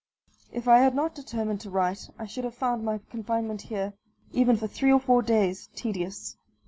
If I had not determined to write I should have found my confinement here, even for three or four days, tedious.